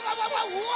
うわ！